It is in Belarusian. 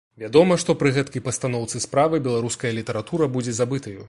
Вядома, што пры гэтакай пастаноўцы справы беларуская літаратура будзе забытаю.